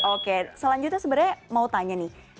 oke selanjutnya sebenarnya mau tanya nih